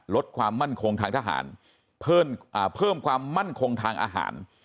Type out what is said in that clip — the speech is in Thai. ลดความมั่นคงทางทหารเพิ่มความมั่นคงทางอาหาร